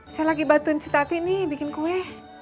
saya lagi bantuin si tati nih bikin kue